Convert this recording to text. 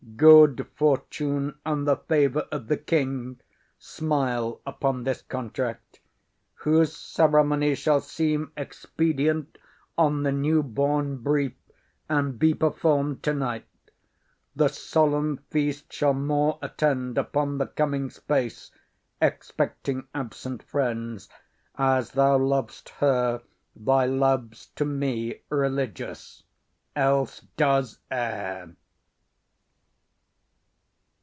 Good fortune and the favour of the king Smile upon this contract; whose ceremony Shall seem expedient on the now born brief, And be perform'd tonight. The solemn feast Shall more attend upon the coming space, Expecting absent friends. As thou lov'st her, Thy love's to me religious; else, does err.